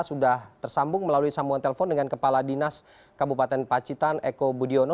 sudah tersambung melalui sambungan telepon dengan kepala dinas kabupaten pacitan eko budiono